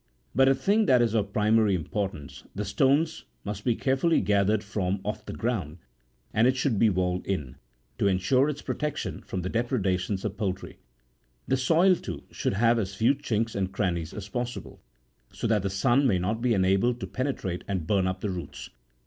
.But, a thing that is of primary importance, the stones must be care fully gathered from off the ground, and it should be walled in, to ensure its protection from the depredations of poultry ; the soil, too, should have as few chinks and crannies as possible, so that the sun may not be enabled to penetrate and burn up the roots.